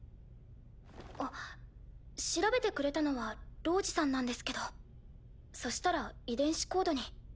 あっ調べてくれたのはロウジさんなんですけどそしたら遺伝子コードに。